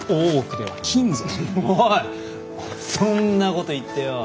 あそんなこと言ってよ